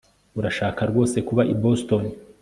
Urashaka rwose kuba i Boston